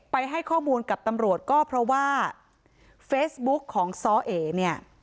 ให้ข้อมูลกับตำรวจก็เพราะว่าเฟซบุ๊กของซ้อเอเนี่ย